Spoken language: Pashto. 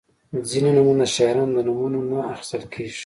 • ځینې نومونه د شاعرانو د نومونو نه اخیستل کیږي.